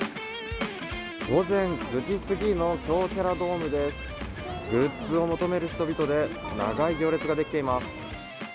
午前９時すぎの京セラドームですグッズを求める人々で長い行列ができています。